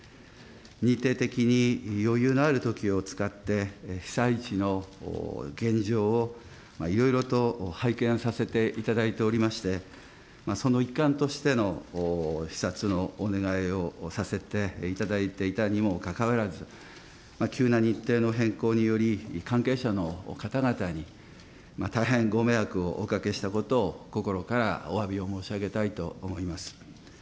日程的に余裕のあるときを使って、被災地の現状をいろいろと拝見させていただいておりまして、その一環としての視察のお願いをさせていただいていたにもかかわらず、急な日程の変更により、関係者の方々に、大変ご迷惑をおかけしたことを心からおわびを申し上げたいと思います。